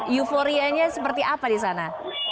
euforianya seperti apa di sana